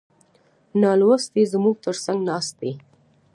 نالوستي زموږ تر څنګ ناست دي.